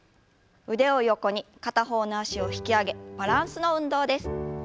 腕を横に片方の脚を引き上げバランスの運動です。